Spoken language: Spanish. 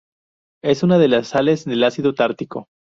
Es una de las sales del ácido tartárico.